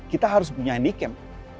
kita harus punya handycam